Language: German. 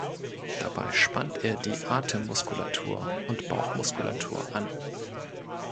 Dabei spannt er die Atemmuskulatur und Bauchmuskulatur an.